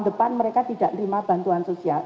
depan mereka tidak terima bantuan sosial